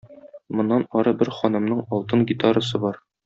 Моннан ары бер ханымның алтын гитарасы бар.